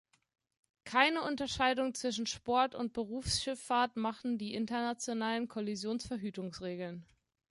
Keine Unterscheidung zwischen Sport- und Berufsschifffahrt machen die internationalen Kollisionsverhütungsregeln.